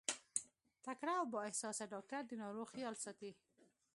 تکړه او با احساسه ډاکټر د ناروغ خيال ساتي.